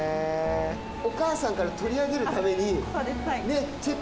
お母さんから取り上げるために。